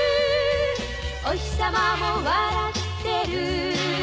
「おひさまも笑ってる」